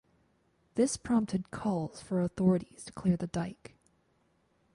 This prompted calls for authorities to clear the Dyke.